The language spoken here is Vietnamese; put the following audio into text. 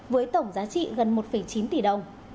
với tổng giá trị gần một chín tỷ đồng